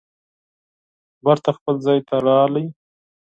بېرته خپل ځای ته راغی